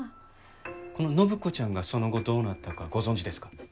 この展子ちゃんがその後どうなったかご存じですか？